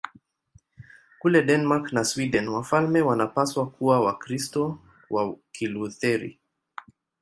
Kule Denmark na Sweden wafalme wanapaswa kuwa Wakristo wa Kilutheri.